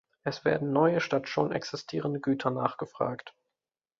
Es werden neue statt schon existierende Güter nachgefragt.